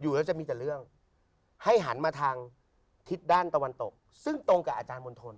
อยู่แล้วจะมีแต่เรื่องให้หันมาทางทิศด้านตะวันตกซึ่งตรงกับอาจารย์มณฑล